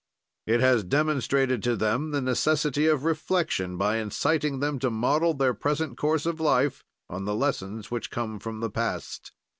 It has demonstrated to them the necessity of reflection, by inciting them to model their present course of life on the lessons which come from the past.